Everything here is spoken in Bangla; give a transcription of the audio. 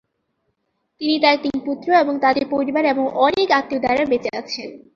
তিনি তার তিন পুত্র এবং তাদের পরিবার এবং অনেক আত্মীয় দ্বারা বেঁচে আছে।